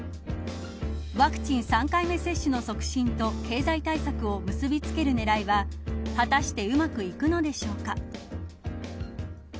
ワクチン３回目接種の促進と経済対策を結びつける狙いは果たしてうまくいくのでしょうか。